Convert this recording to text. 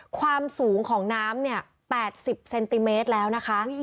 ความสูงของน้ำเนี่ย๘๐เซนติเมตรแล้วนะคะ